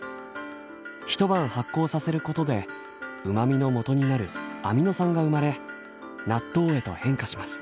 一晩発酵させることでうまみのもとになるアミノ酸が生まれ納豆へと変化します。